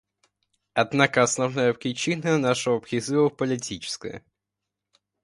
Однако основная причина нашего призыва — политическая.